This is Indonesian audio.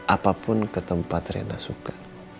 apapun ke tempat rena suka